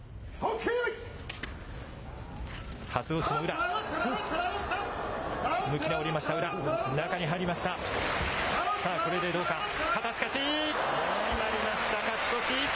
決まりました、勝ち越し。